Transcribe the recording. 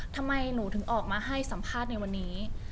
ทำไมหนูถึงออกมาให้สัมภาษณ์ในวันนี้